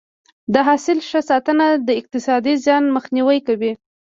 د حاصل ښه ساتنه د اقتصادي زیان مخنیوی کوي.